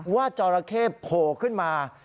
จอราเข้โผล่ขึ้นมา